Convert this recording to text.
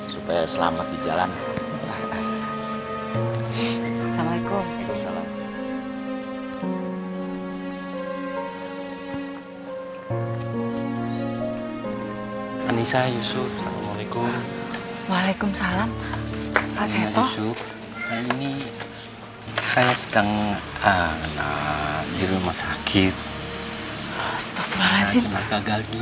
seperti anissa ibu dah sembuh sekarang